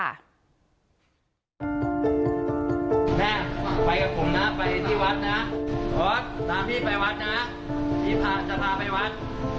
แม่ไปกับผมนะไปที่วัดนะพอร์ตตามพี่ไปวัดนะพี่พาจะพาไปวัด